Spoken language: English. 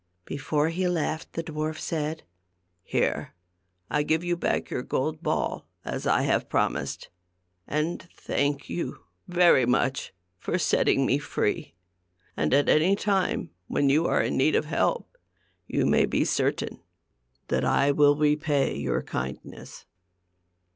Before he left, the dwarf said, " Here, I give you back your gold ball, as I have promised, and thank you very much for setting me free. And at any time, when you are in need of help, you may be certain that I will repay your kindness."